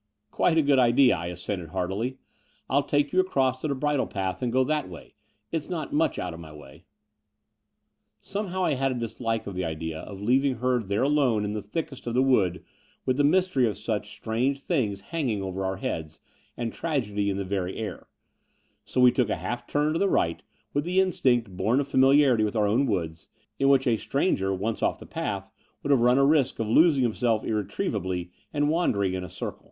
Quite a good idea," I assented heartily. "I'll take you across to the bridle path and go that way. It's not much out of my way." Somehow I had a dislike of the idea of leaving her there alone in the thickest of the wood with the mystery of such strange things hanging over our heads and tragedy in the very air: so we took a half turn to the right with the instinct bom of familiarity with our own woods, in which a stran ger, once off the path, would have run a risk of losing himself irretrievably and wandering in a circle.